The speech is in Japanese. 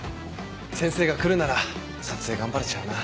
先生が来るなら撮影頑張れちゃうな。